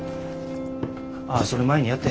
ああそれ舞にやって。